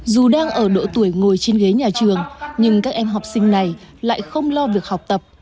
dù đang ở độ tuổi ngồi trên ghế nhà trường nhưng các em học sinh này lại không lo việc học tập